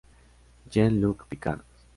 Jean-Luc Picard.